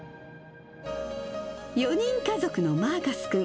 ４人家族のマーカス君。